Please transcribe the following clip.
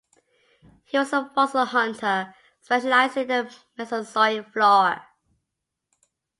He was a fossil hunter specializing in Mesozoic flora.